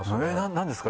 「何ですか？」